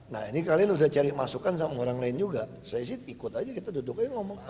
nah ini kalian udah cari masukan sama orang lain juga saya sih ikut aja kita duduk aja ngomong